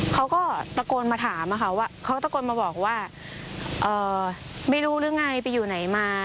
เขาก็ตะโกนมาถามว่าไม่รู้หรือไงไปอยู่ไหนมา